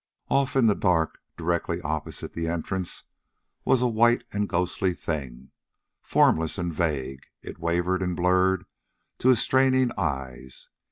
Off in the dark, directly opposite the entrance, was a white and ghostly thing. Formless and vague, it wavered and blurred to his straining eyes.